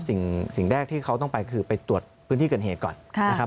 สิ่งแรกที่เขาต้องไปคือไปตรวจพื้นที่เกิดเหตุก่อนนะครับ